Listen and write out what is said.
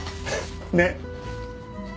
ねっ？